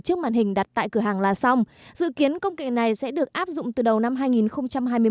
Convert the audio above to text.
trước màn hình đặt tại cửa hàng là xong dự kiến công kỳ này sẽ được áp dụng từ đầu năm hai nghìn hai mươi một